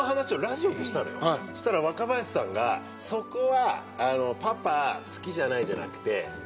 そしたら若林さんがそこは。